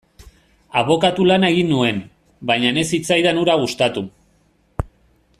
Abokatu lana egin nuen, baina ez zitzaidan hura gustatu.